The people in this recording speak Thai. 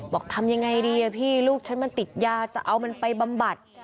ทำยังไงดีพี่ลูกฉันมันติดยาจะเอามันไปบำบัด